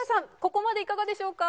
ここまでいかがでしょうか？